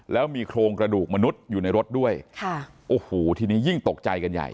แล้วมีโครงกระดูกมนุษย์อยู่ในรถด้วยค่ะโอ้โหทีนี้ยิ่งตกใจกันใหญ่